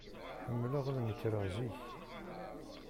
Ḥemmleɣ ad nekreɣ zik.